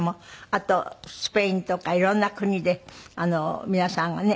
あとスペインとか色んな国で皆さんがね